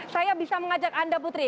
saya bisa mengajak anda putri